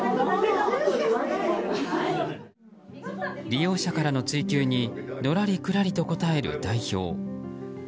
利用者からの追及にのらりくらりと答える代表。